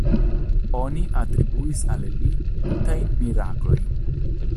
Oni atribuis al li multajn miraklojn.